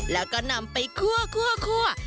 แล้วก็นำไปคั่ว